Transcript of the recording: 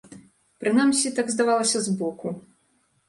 Прынамсі, так здавалася збоку.